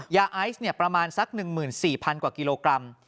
ยาไอซ์ประมาณสัก๑๔๐๐กว่ากิโลกรัม